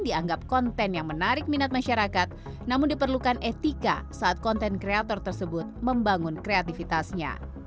dianggap konten yang menarik minat masyarakat namun diperlukan etika saat konten kreator tersebut membangun kreatifitasnya